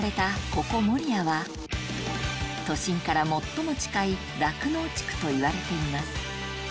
ここ守谷は都心から最も近い酪農地区といわれています